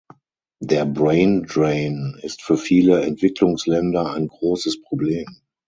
Der Brain Drain ist für viele Entwicklungsländer ein großes Problem.